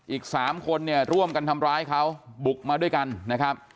อีก๓คนเนี่ยร่วมกันทำร้ายเขาบุกมาด้วยกันนะครับ